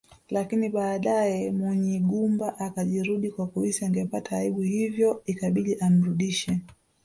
Lakini baadaye Munyigumba akajirudi kwa kuhisi angepata aibu hivyo ikabidi amrudishe